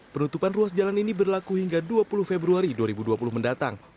penutupan ruas jalan ini berlaku hingga dua puluh februari dua ribu dua puluh mendatang